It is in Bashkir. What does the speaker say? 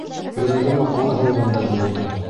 Йөрәгемә ҡан һауғандай булды.